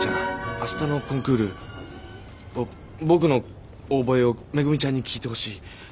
あしたのコンクールぼ僕のオーボエを恵ちゃんに聴いてほしい」